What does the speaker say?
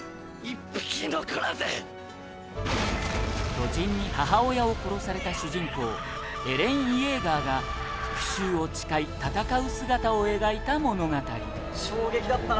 巨人に母親を殺された主人公エレン・イェーガーが復讐を誓い戦う姿を描いた物語宮田：衝撃だったな